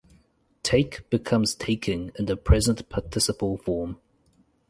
"Take" becomes "taking" in the present participle form.